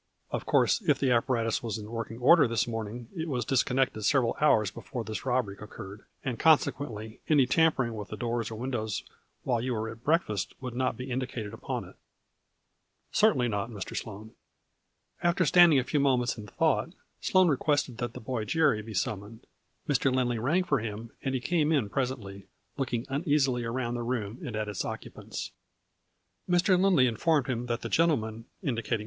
Of course, if the apparatus was in working order this morning, it was dis connected several hours before this robbery oc curred, and consequently any tampering with the doors or windows while you were at break fast would not be indicated upon it." " Certainly not, Mr. Sloane." After standing a few moments in thought, Sloane requested that the boy Jerry be sum moned. Mr. Lindley rang for him and he came in presently, looking uneasily around the room and at its occupants. Mr. Lindley informed him that the gentleman, 52 A FLUBliY IN DIAMONDS.